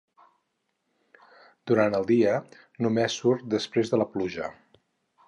Durant el dia, només surt després de la pluja.